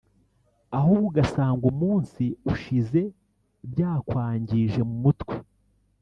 ahubwo ugasanga umunsi ushize byakwangije mu mutwe